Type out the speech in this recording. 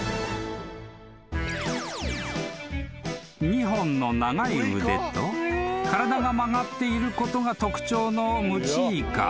［二本の長い腕と体が曲がっていることが特徴の］